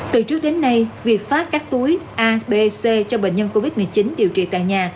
từ trước đến nay việc phát các túi a b c cho bệnh nhân covid một mươi chín điều trị tại nhà